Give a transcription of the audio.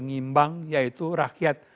yang mengimbang yaitu rakyat